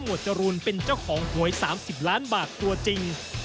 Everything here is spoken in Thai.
จรูนเป็นเจ้าของหวย๓๐ล้านบาทตัวจริง